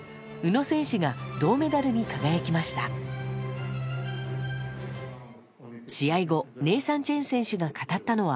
宇野選手が銅メダルに輝きました。